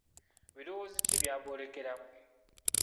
Birowoozo ki by’aboolekeramu